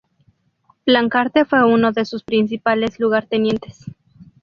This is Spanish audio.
Plancarte fue uno de sus principales lugartenientes.